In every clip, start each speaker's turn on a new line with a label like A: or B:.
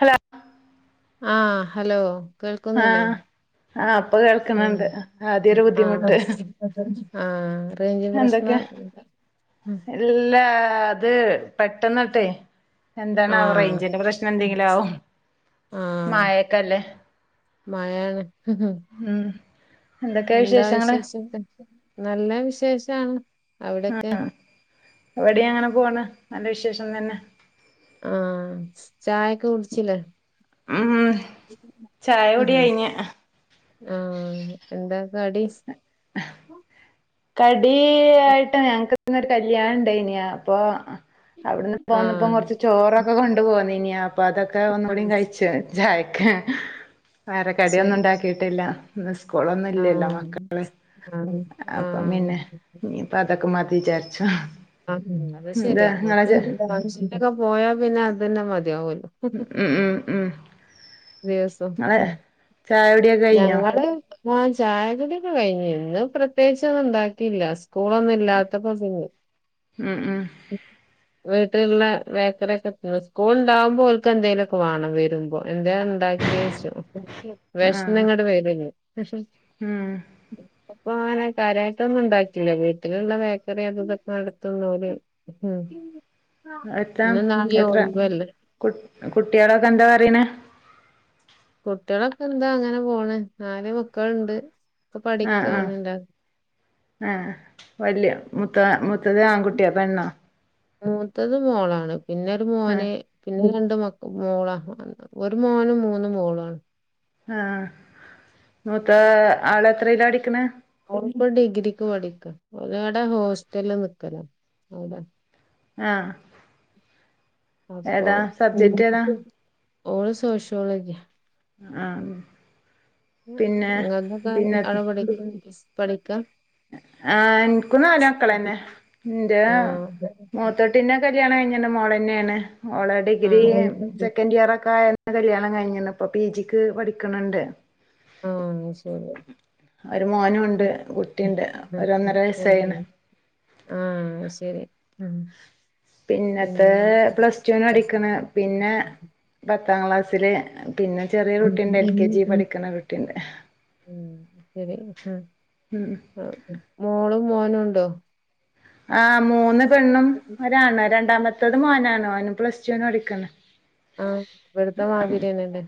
A: Hello
B: ആഹ hello കേൾക്കുന്നില്ലേ
A: ആഹ് ആഹ് ഇപ്പൊ കേൾക്കുന്നുണ്ട് ആദ്യ ഒരു
B: ആഹ്
A: ബുദ്ധിമുട്ട്
B: ആഹ റേഞ്ച് പ്രശ്നം [inaudible] ഉം
A: ഇല്ലാ അത് പെട്ടെന്നാട്ടെ
B: ആ
A: എന്താണാവോ റേഞ്ചന്റെ പ്രശ്നം എന്തെങ്കിലും ആവും മയൊക്കല്ലേ
B: മഴാണ്
A: ഉം എന്തൊക്കെയാ
B: എന്താ
A: വിശേഷങ്ങള്
B: വിശേഷം ഒക്കെ നല്ല വിശേഷാണ് അവിടെക്കെ
A: ഇവിടെയാണ് പോണ്‌ നല്ല വിശേഷം തന്നെ
B: ആഹ് ചായൊക്കെ കുടിച്ചില്ലേ
A: ഉം ചായ
B: ഉ
A: കുടി
B: ഹൂം
A: കഴിഞ്ഞ്
B: ആഹ് എന്താ കടി
A: [inaudible] കടിയായിട്ട് ഞങ്ങക്ക്ന്നൊരു കല്യാണ ഇണ്ടെയ്നിം അപ്പൊ അവിടുന്ന്
B: ആ
A: പോന്നപ്പം കൊറച്ച് ചോറൊക്കെ കൊണ്ടു പോന്നീനി അപ്പൊ അതൊക്കെ
B: ആ,
A: ഒന്നുടി കഴിച്ചു ചായക്ക്‌ വേറെ കടിയൊന്നും
B: ശരി
A: ഉണ്ടാക്കിട്ടില്ല ഇന്ന് സ്കൂളൊന്നും ഇല്ലല്ലോ മക്കള്
B: ആഹ്
A: അപ്പം പിന്നെ ഇനീപ്പ അതൊക്കെ മതി വിചാരിച്ചു
B: ആഹ് അത്
A: എന്താ
B: ശരിയാ
A: നിങ്ങളെ
B: നമുക്ക്
A: ചെ
B: ഒരാവിശ്യത്തിന് പോയാ പിന്നെ അതന്നെ മതിയാവോല്ലോ
A: മ്മ് മ്മ് മ്മ്
B: ദിവസോം ഉം
A: ചായ കുടിയൊക്കെ കഴിഞ്ഞോ
B: ഞങ്ങള് ആഹ് ചായ കുടിക്കെ കഴിഞ്ഞ് ഇന്ന് പ്രത്യേകിചോന്നും ഉണ്ടാക്കിയില്ല സ്കൂളൊന്നും ഇല്ലാത്തപ്പം
A: മ്മ് മ്മ്
B: [inaudible] വീട്ടിലുള്ള ബേക്കറിയൊക്കെ തിന്ന് സ്കൂൾ ഉണ്ടാവുമ്പോ ഓൽക്ക് എന്തെലൊക്കെ വേണം വരുമ്പോ എന്ത [unintelligible] ഉണ്ടാക്കിയേ ചോയ്ച്ചും
A: ആ
B: വേഷന്നിങ്ങട്ട് വരല്ലേ
A: ഉം
B: പ്പോ അങ്ങനെ കാര്യയിട്ടൊന്നും ഉണ്ടാക്കില്ല വീട്ടിലുള്ള ബേക്കറി അതു ഇതൊക്കെ എടുത്തുന്നോല് ആഹ് ഇന്നും നാളെയും ഒഴിവല്ലേ
A: കുട്ട് കുട്ടിളൊക്കെ എന്താ പറയ്ണേ
B: കുട്ടിളൊക്കെ എന്താ അങ്ങനെ പോണ് നാല് മക്കളുണ്ട് ഒക്കെ
A: ആഹ് ആഹ്
B: പഠിക്കാണ്
A: ആഹ് വലിയ മുത്ത മു ത്തത് ആൺ കുട്ടിയോ പെണ്ണാ
B: മൂത്തത് മോളാണ് പിന്നെരു
A: ആഹ്
B: മോന് പിന്നെ രണ്ട് മക്ക മോളാ ഒരു മോനും മൂന്നു മോളാണ്
A: ആഹ് മൂത്ത ആള് എത്രയില പടിക്കണ
B: ഒളുപ്പാ ഡിഗ്രിക്ക് പഠിക്ക ഓലവിടെ ഹോസ്റ്റൽല് നിക്കലാ അവിടെ
A: ആഹ്
B: അപ്പോ
A: ഏതാ സബ്ജക്റ്റ് ഏതാ
B: ഓള് സോഷ്യോളജി
A: ആഹ്
B: പിന്നെ ഇങ്ങക്കൊക്കെ
A: പിന്നെ
B: അവിടെ പഠി പഠിക്കാ
A: ആഹ് ഇൻക്കും നാല് മക്കളന്നെ ഇന്റെ
B: ആഹ്
A: മൂത്ത പിന്നെ കല്യാണ കഴിഞ്ഞെൻ്റെ മോളെന്നേണ്. ഓളെ ഡിഗ്രി
B: ആഹ്
A: സെക്കൻഡ് ഇയറൊക്കായ കല്യാണം കഴിഞ്ഞിണ് പ്പം. പി ജിക്ക് പഠിക്ക്ണ് ണ്ട്.
B: ആഹ് ശരി
A: ഒരു മോനുണ്ട് കുട്ടിണ്ട്. ഒരു ഒന്നര വയസ്സായിണ്.
B: ആഹ്. അഹ് ശരി ഉം.
A: പിന്നത്തെ
B: പിന്നെ
A: പ്ലസ് ടു ന് പഠിക്ണ് പിന്നെ പത്താം ക്ലാസ്സില്. പിന്നെ ചെറിയ ഒര് കുട്ടിണ്ട് എൽ കെ ജി പഠിക്ക്‌ണൊരുട്ടിണ്ട്.
B: ഉം ശരി.
A: ഉം
B: മോളും മോനും ണ്ടോ?
A: ആഹ് മൂന്ന് പെണ്ണും ഒരാണാ. രണ്ടാമത്തത് മോനാണ്. ഓന് പ്ലസ് ടു ന് പഠിക്ണ്.
B: ആഹ് ഇവട്ത്തെ മാതിര്യെന്നെ ലേ.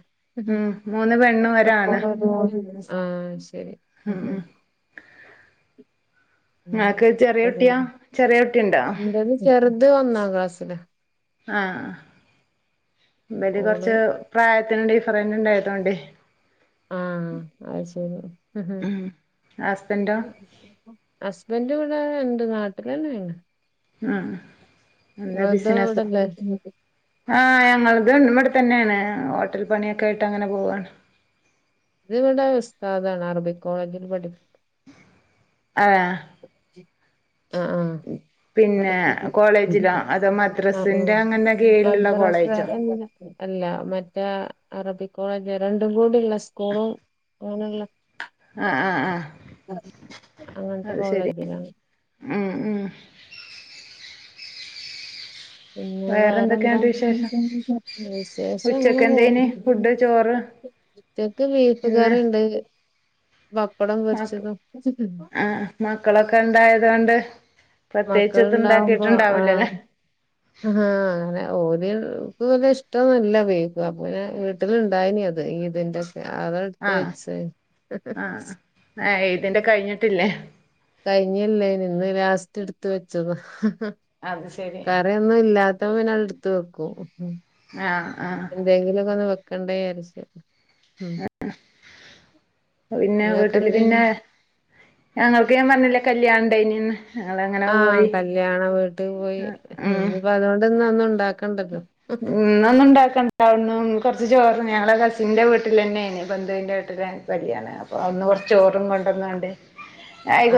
A: ഉം മൂന്ന് പെൺ
B: [unintelligible] ആഹ് ശെരി
A: ഉം ഉം ഇങ്ങക്ക് ചെറിയ കുട്ടിയാ? ചെറിയ കുട്ടിണ്ടോ?
B: ഇന്റത് ചെറുത് ഒന്നാ ക്ലാസ്സിലാ.
A: ആഹ് ഇവല്
B: ഓള്
A: കൊറച്ച് പ്രായത്തിന് ഡിഫറന്റ് ഉണ്ടായതോണ്ടേ.
B: ആഹ് അത് ശെരി.
A: ഉം ഹസ്ബന്റോ
B: അസ്‌ബെൻ്റ് വടെ ഇണ്ട് നാട്ടിലെന്നേണ്.
A: ഉം എന്താ
B: ഇങ്ങൾതോ,
A: ബിസിനസോ
B: ഇവടെല്ലേ?
A: ആഹ് ഞങ്ങൾത് ഇവടെ തന്നേണ്. ഹോട്ടൽ പണിയൊക്കെ ആയിട്ടങ്ങനെ പോവാണ്.
B: ഇത്‌വടെ ഉസ്താദാണ് അറബിക് കോളേജിൽ പഠി
A: ഏഹ്
B: ആഹ് ആഹ്
A: പിന്നെ
B: പഠിപ്പിക്കി
A: കോളേജിലോ അതോ
B: ആഹ് ആഹ്
A: മദ്രസിന്റെ അങ്ങനെ കീഴിലുള്ള
B: മദ്രസെ
A: കോളേജോ
B: അല്ല അല്ല മറ്റേ അറബിക് കോളേജ് രണ്ടും കൂടിള്ള സ്കൂളും അങ്ങനെള്ള.
A: ആഹ് ആഹ് ആഹ്
B: അങ്ങൻത്തെ
A: അത് ശരി
B: കോളേജിലാണ്.
A: ഉം ഉം
B: പിന്നെ
A: വേറെ
B: വേറെന്താ?
A: എന്തൊക്കെയാണ്ട് വിശേഷം
B: വിശേഷം
A: ഉച്ചക്ക്
B: അങ്ങനെ പോ
A: എന്തേനി ഫുഡ് ചോറ്
B: [inaudible] ഉച്ചക്ക് ബീഫ്
A: ഇന്ന്
B: കറിണ്ട് ബപ്പടം
A: മക്ക
B: പൊരിച്ചതും.
A: ആഹ് മക്കളൊക്കെ ഇണ്ടായതോണ്ട് പ്രത്യേകിച്ച് എത്തും
B: മക്കളുണ്ടാവുമ്പോ
A: ഇണ്ടാക്കിട്ട്ണ്ടാവൂലല്ലേ.
B: ആഹ് ആഹ് അങ്ങനെ ഓല് ക്ക്‌ വലിയ ഇഷ്ടൊന്നുല്ല ബീഫ്. അപ്പപ്പിന്നെ വീ ട്ടില് ഇണ്ടായിനി അത് ഈദിന്റൊക്കെ അതാണ്ട്ട്ത്ത് വെച്ചെനി.
A: ഏഹ് ഈദിന്റെ കഴിഞ്ഞിട്ടില്ലേ.
B: കഴിഞ്ഞില്ലേനി. ഇന്ന്‌ ലാസ്റ്റ്ട്ത്ത് വെച്ചതാ.
A: അത് ശരി
B: ഒന്നും ഇല്ലാത്തപ്പം പിന്നാണ്ട് ഇട്ത്ത് വെക്കും.
A: ആഹ് ആഹ്
B: എന്തേങ്കിലൊക്കൊന്ന് വെക്കണ്ടെ വിചാരിച്ച്. ഉം
A: ആഹ് പിന്നെ
B: നിങ്ങക്ക്
A: വീട്ടില്
B: എന്തേനി
A: പിന്നെ ഞങ്ങൾക്ക് ഞാൻ പർഞ്ഞില്ലെ കല്യാണണ്ടായ്നിന്ന്.
B: ആഹ് കല്യാണ വീട്ട് പോയി.
A: ഉം
B: ഇനിപ്പ അതോണ്ട് ഇന്നൊന്നും ണ്ടാക്കണ്ടല്ലോ.
A: ഉം ഇന്ന് ഒന്നും ഉണ്ടാക്കണ്ട. അവ്ട്ന്നും കൊർച്ച് ചോറ് ഞങ്ങളെ കസിൻന്റെ വീട്ടിലെന്നേനി. ബന്ധുവിന്റെ വീട്ടിലാണ് കല്യാണം. അപ്പൊ അവ്ട്ന്ന് കൊർച്ച് ചോറും കൊണ്ടന്നാണ്ട്.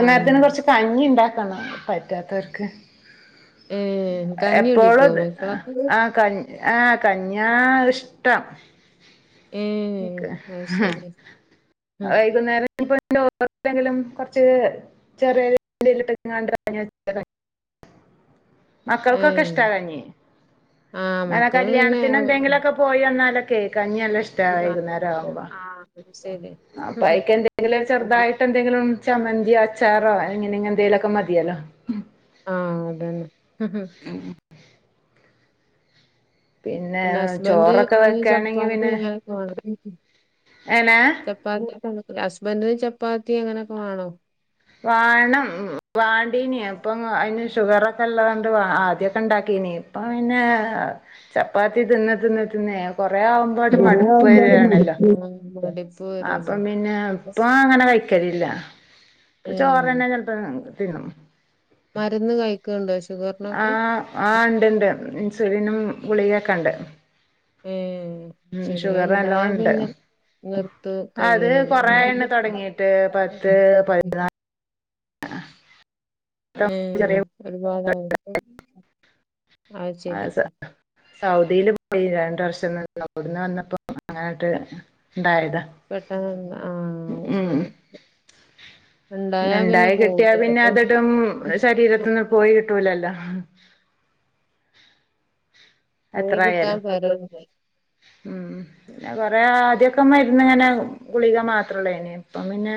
B: ആഹ്
A: കൊർച്ച് കഞ്ഞിണ്ടാക്കണം പറ്റാത്തവർക്ക്.
B: ഏഹ് കഞ്ഞി
A: എപ്പോളും
B: കുടിക്കോ
A: ത്
B: മക്കളൊക്കെ
A: കഞ് ആഹ് കഞ്ഞ്യാ ഇഷ്ടം.
B: ഏഹ് അത്
A: ആഹ്
B: ശരി ഉം
A: വൈകുന്നേരം പ്പ ഓങ്കിലും കുറച്ച് ചെറിയ [inaudible] മക്കൾക്കൊക്കെ
B: ഏഹ്
A: ഇഷ്ടവാ കഞ്ഞി
B: ആഹ്
A: അങ്ങനെ
B: മക്കള് പിന്നെ
A: കല്യാണത്തിന് എന്തെങ്കിലുമൊക്കെ പോയി വന്നാലൊക്കെ കഞ്ഞില്ല ശ്
B: ആഹ് ആഹ് ശരി
A: അപ്പൊ അയിക്ക് എന്തെങ്കിലും ഒരു ചെറുതായിട്ട് എന്തെങ്കിലും ചമ്മന്തിയോച്ചാറോ എങ്ങനെങ്ങ എന്തെങ്കിലുമൊക്കെ മതിയാലോ
B: ആഹ് അതന്നെ
A: ഉം
B: പിന്നെ ഹസ്ബന്റ്‌
A: ചോറൊക്കെ
B: ങ്ങനെ
A: വെക്കാണെങ്കി
B: ചപ്പാത്തി എങ്ങനൊക്കെ വേണം
A: എനാ
B: ചപ്പാത്തി ഹസ്ബന്റ്ന് ചപ്പാത്തി അങ്ങനെയൊക്കെ വേണോ
A: വാണം വാണ്ടീന് അപ്പം അതിന് ഷുഗറ് ഒക്കെ ഉള്ളതൊണ്ട് ആദ്യക്കെ ഇണ്ടാക്കീന് അപ്പ പിന്നെ ചപ്പാത്തി തിന്ന് തിന്ന് തിന്നേ കൊറെ ആവ് പാട്
B: കൊറേ
A: മടുപ്പ്
B: ആവുമ്പൊരു
A: വരിയാണല്ലോ
B: [unintelligible]
A: അപ്പം പിന്നെ ഇപ്പൊ അങ്ങനെ കഴിക്കലില്ല പ്പ ചോറ്
B: ഏഹ്
A: തന്നെ ചില താങ്ക് തിന്നും
B: മരുന്ന് കഴിക്കേണ്ടോ ഷുഗറിനൊക്കെ
A: ആഹ് ഉണ്ട്ണ്ട് ഇൻസുലിനും ഗുളികൊക്കെ ഉണ്ട്
B: ഏഹ്
A: ഉം
B: ശരിയാ
A: ഷുഗർ
B: ഉണ്ടായാ
A: നല്ലോണം ഉണ്ട്
B: പിന്നെ നിർത്ത
A: അത്
B: കയ്യലല്ല
A: കൊറേണ് തൊടങ്ങിട്ട്
B: [inaudible]
A: ആ
B: ഉം ഒരുപാട് [unintelligible] ആയിച്ചെല്
A: സൗദിയില് പോയി രണ്ട വർഷം അവിടുന്ന് വന്നപ്പോ അങ്ങനട്ട് എന്തായതാ
B: പെട്ടെന്ന ആഹ് ഓ ശരി ഉണ്ടായാ പിന്നെ പോയിട
A: ഉം ശരീരത്തിന്ന് പോയി കിട്ടൂലല്ലോ
B: പോയി
A: എത്ര
B: കിട്ടാൻ
A: ആയാലും
B: പെടണ്ടേ
A: ഉം പിന്ന കൊറെ ആദ്യൊക്കെ മരുന്ന് ഇങ്ങനെ ഗുളിക മാത്രള്ള നമീൻ ഇപ്പം പിന്നെ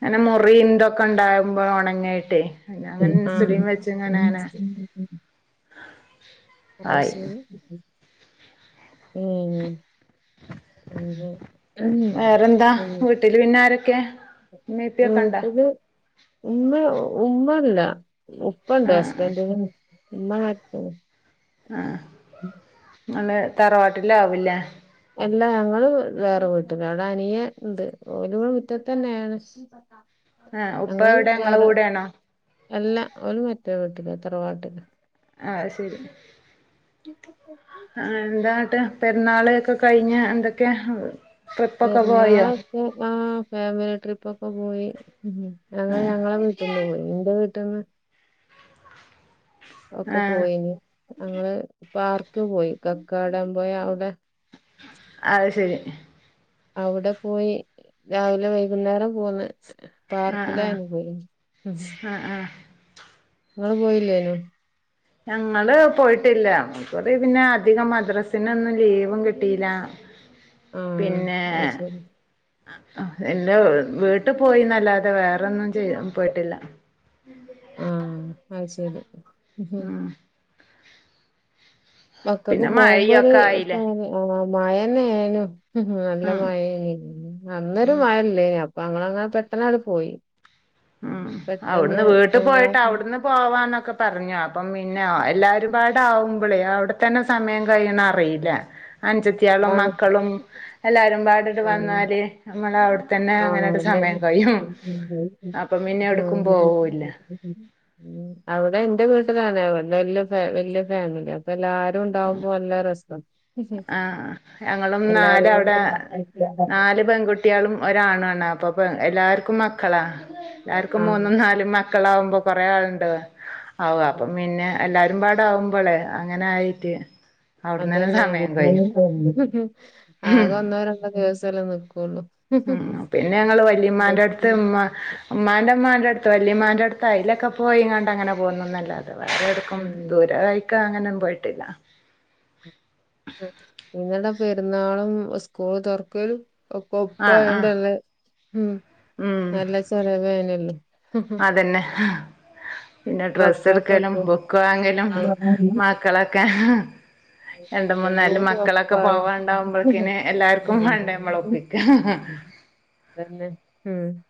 A: അങ്ങനെ മുറി ഇന്തൊക്കെ ഉണ്ടാകുമ്പോ ഉണങ്ങയിട്ടേ
B: അഹ് [inaudible] അയ്
A: ആയി
B: ശരി ഉം ഏയ്
A: വേറെന്താ
B: ഉം
A: വീട്ടില് പിന്നെ ആരൊക്കെ [unintelligible] കണ്ടാ
B: വീട്ടില് ഉമ്മ ഉമ്മല്ല ഉപ്പണ്ട്
A: ആഹ്
B: ഹസ്ബൻഡിന് ഉമ്മ [unintelligible]
A: ആഹ്
B: ഉം
A: ഇങ്ങള് തറവാട്ടിലാവില്ലേ
B: എല്ലാ ഞങ്ങള് വേറെ പോയിട്ടുണ്ട് അവിടെ അനിയൻ ഇണ്ട് ഓല് ഇവടെ മുറ്റത്ത് തന്നെയാണ് [unintelligible]
A: ആഹ് ഉപ്പ എവിടെ ഇങ്ങള കൂടെണോ
B: അല്ല ഓര് മറ്റേ വീട്ടിലാ തറവാട്ടില്
A: ആഹ് അത്ശെരി ആഹ് എന്താട്ട് പെരുന്നാളൊക്കെ കഴിഞ്ഞ് എന്തൊക്ക്യ ഏഹ്
B: പെരുന്നാളൊക്കെ ആഹ് ഫാമിലി ട്രിപ്പ് ഒക്കെ പോയി ഉം ഞങ്ങള്
A: ആഹ്
B: ഞങ്ങളെ വീ തിന്നുവും ഇന്റെ വീട്ടിന്ന് ഒക്കെ
A: ആഹ്
B: പോയിന് ഞങ്ങള് പാർക്ക് പോയി കക്കാടൻ പോയി അവടെ
A: അത് ശെരി
B: അവടെ പോയി രാവിലെ വൈകുന്നേരം പോന്ന്
A: ആഹ് ആഹ്
B: പാർക്കിലാനു പോയേ ഉം ഹും
A: ആഹ് ആഹ്
B: ഇങ്ങള് പോയില്ലേനോ
A: ഞങ്ങള് പോയിട്ടില്ല ഇക്കുറി പിന്നെ അധികം മദ്രസിനൊന്നും ലീവും കിട്ടില്ല
B: ആഹ്
A: പിന്നെ
B: അത് ശരി
A: ആഹ് ഇല്ലാ വീട്ടു പോയിന്നല്ലാതെ വേറൊന്നും ചെയ്യ പോയിട്ടില്ല
B: ആഹ് അത് ശരി
A: ഉം
B: മക്കക്ക്
A: പിന്നെ
B: പോകുമ്പോ ഒരു
A: മഴയൊക്കെ ആയില്ലേ
B: [unintelligible] ആഹ് മഴന്നെനു നല്ല
A: ഉം
B: മഴെ എന്നും അന്നൊരു മഴ ഇല്ലേനി അ അപ്പൊ നങ്ങളങ്ങനെ പെട്ടന്ന് അണ്ട് പോയി
A: ഉം അവടുന്ന്
B: പെട്ടെന്ന്
A: വീട്ടു
B: ഞങ്ങളാ
A: പോയിട്ട് അവിടുന്ന് പോവാന്നൊക്കെ പറഞ്ഞു അപ്പം പിന്നെ ആഹ്‌ എല്ലാരും പാ ത്താവുമ്പളെ അവടെ തന്നെ സമയം കഴിയണ അറില്ല അൻജ ത്ത്യാളേടെ
B: ആണ്
A: മക്കളും എല്ലാരും പാടിണ്ട്
B: ആഹ്
A: വന്നാല് ഞമ്മള അവടെത്തന്നെ അങ്ങനൊരു സമയം കയിയും
B: ഉം ആഹ് [inaudible] ഉം അവടെ എന്റെ വീട്ടിലാണെ അവടെ വല്ല്യ ഫാ വല്ല്യ ഫാമിലിയാണ് അപ്പ എല്ലാരും ഇണ്ടാവുമ്പോ നല്ല രസാണ്
A: ആഹ് ഞങ്ങളും നാല അവടെ നാല് പെൺകു കുട്ടികളും ഒരാാണ് വണ്ണ അപ്പ എല്ലാവർക്കും മക്കളാ എല്ലാവർക്കും
B: ആഹ്
A: മൂന്നും നാലും മ പുക്കളകുമ്പോ കൊറേ ആൾണ്ട് ആ അപ്പം പിന്നെ എല്ലാരും പാട ആവുമ്പോളെ അങ്ങനെ ആയിട്ട് അവിടുന്ന് തന്നെ
B: അതന്നെയ
A: സമയം കഴിയും
B: [inaudible] ആകെ ഒന്നോ രണ്ടോ ദിവസം എല്ലേ നക്കുള്ളു
A: ഉം പിന്നെ ഞങ്ങള്ൾ വല്യമാന്റെ അടുത്ത് ഉമ്മ അമ്മാന്റെമ്മാന്റെ അടുത്ത് വല്യമമാന്റെ അടുത്ത് അയിലൊക്കെ പോയിങ്ങണ്ട് അങ്ങനെ പോകുന്നുന്നല്ലെ [unintelligible] വേറെടുക്കും
B: ഉം
A: ദൂരെ കായിക്കാ അങ്ങനൊ ഒന്നും പോയിട്ടില്ല
B: നിന്നട പെരുന്നാളും സ്കൂൾ തുർക്കരു ഒ
A: ആ ആ
B: കൊപ്പയോണ്ട്ല്ല ഉം
A: ഉം
B: നല്ല ചലവ്നല്ലോ
A: ന്തന്നെ പിന്നെ ഡ്രസ്സ് ഇട്ക്കലും
B: മക്കൾക്കൊക്കെ
A: ബുക്ക് വാങ്ങലും
B: എല്ലാം
A: മ കളക്കെ രണ്ട് മൂന്നാല്
B: കൂടി
A: മക്കളൊക്കെ
B: ഒപ്പായി
A: പോവാണ്ടാവുബഴ്ക്കിന് എല്ലാര്ക്കും വാണ്ടേ ഞമ്മൾ ഒപ്പി ആഹ ആ
B: തന്നെ ഉം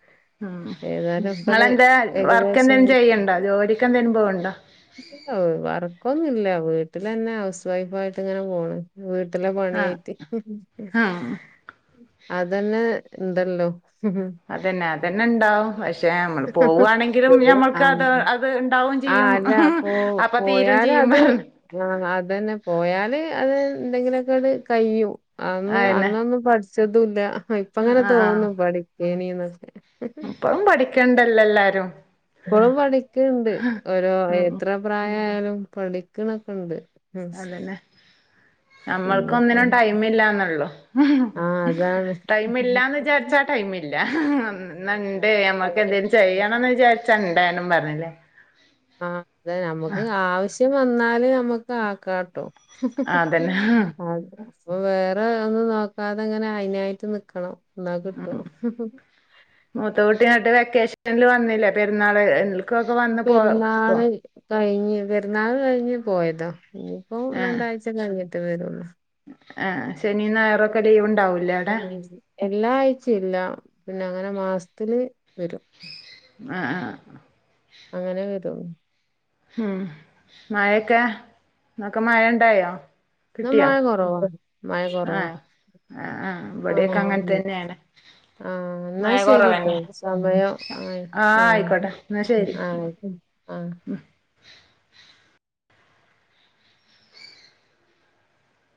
A: ഉം
B: ഏതായാലും ഒക്കടെ
A: ഇങ്ങളെന്താ വർക്ക്
B: ഏകദേശം
A: എന്തേലും ചെയ്യ്ണ്ടോ ജോലിക്ക് എന്തേലും പോവ്ണ്ടോ
B: ഇല്ല വർക്കൊന്നുല്ല വീട്ടിലെന്നെ ഹൗസ് വൈഫ് ആയിട്ട് ഇങ്ങനെ പോണ് വീട്ടിലെ
A: ആഹ്
B: പണിയായിറ്റ്
A: ആഹ്
B: അതന്നെ ഇണ്ടല്ലോ
A: അതന്നെ അതന്നെ ഇണ്ടാവും പക്ഷെ നമ്മൾ പോവാണെങ്കിലും ഞമ്മൾക്ക് അത്
B: ആ
A: അത് ഇണ്ടാവും
B: ആഹ്
A: ചിയ്യും
B: അല്ല പോ
A: അപ്പ തീരും
B: പോയാല്
A: ചിയ്യും
B: അത് ആഹ് അതന്നെ പോയാല് അത് എന്തെങ്കിലൊക്കെ അത് കയ്യും അന്ന്
A: അയന്നെ
B: അന്നൊന്നും പഠിച്ചതുല്ല ഇപ്പ ഇങ്ങനെ തോന്നും പഠിക്കേനീ ന്നൊക്കെ
A: ഇപ്പളും പഠിക്കണ്ടല്ലോ എല്ലാരും
B: ഇപ്പളും പഠിക്ക്ണ്ട് ഓരോ
A: ഉം
B: എത്ര പ്രായ ആയാലും പഠിക്ക്ണൊക്കണ്ട്
A: അതന്നെ ഞമ്മൾക്ക്
B: പിന്നെപ്പോ
A: ഒന്നിനും ടൈം ഇല്ലാന്നൊള്ളു
B: ആഹ് അതാണ്
A: ടൈം ഇല്ലാന്ന് വിചാരിച്ച ടൈമില്ല ന്നാണ്ടേ ഞമ്മക്ക് എന്തേലും ചെയ്യണംന്ന്‌ വിചാരി ച്ച ണ്ടേനും പറഞ്ഞില്ലേ
B: ആഹ് അതെ നമുക്ക് ആവിശ്യം വന്നാല് നമ്മുക്ക് ആക്കാട്ടോ
A: അതന്നെ
B: [inaudible] വേറെ ഒന്നും നോക്കാതെ ഇങ്ങനെ അതിനായിട്ട് നിക്കണം ന്നാ കിട്ടും
A: മൂത്ത കുട്ടി ന്ന്ട്ട് വെക്കേഷനിൽ വന്നില്ലേ പെരുന്നാൾ ക്കൊക്കെ വന്ന് പോ പോ
B: പെരുന്നാള് കഴിഞ്ഞ് പെരുന്നാൾ കഴിഞ്ഞ് പോയതാ ഇഞ്പ്പോ
A: ആഹ്
B: രണ്ടാഴ്ച്ച കഴിഞ്ഞിട്ട് വരൊള്ളൂ
A: ആഹ് ശനി ഞായർ ക ലീവ് ഇണ്ടാവുല്ലേ
B: എല്ലാ ആയ്ച്ചില്ല പിന്നെ അങ്ങനെ മാസ്ത്തില് വരും
A: ആഹ് ആഹ്
B: അങ്ങനെ വെരൊള്ളു
A: ഉം മയൊക്കെ ഇന്ന് ഒക്കെ മയ ഇണ്ടായോ
B: ഇന്ന് മഴ കൊറവാ മയകൊറവാ
A: ആഹ് ആഹ് ആഹ് ഇബടിംഒക്കെ അങ്ങൻ തന്നെണ്
B: ആഹ് ഇന്നാ ശെരിട്ടോ സമയം ആയി ആഹ് ആഹ് ആഹ്
A: ഉം